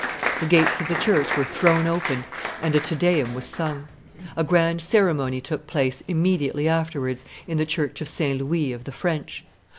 The gates of the church were thrown open and a Te Deum was sung. A grand ceremony took place immediately afterwards in the church of St. Louis of the French.